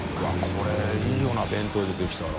これいいよな弁当で出てきたら。